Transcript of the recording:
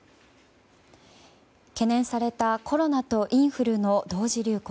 懸念されたコロナとインフルの同時流行。